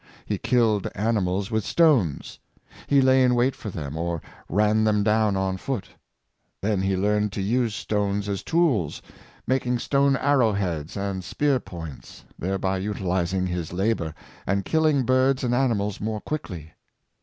He killed animals with stones. He lay in wait for them, or ran them down on foot. Then he learned to use stones as tools; making stone arrow heads and spear points, thereby utilizing his la bor, and killing birds and animals more quickly.